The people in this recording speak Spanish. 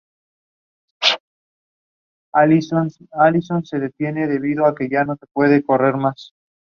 Sandow sólo pudo elevar el peso hasta su pecho y Kate fue declarada vencedora.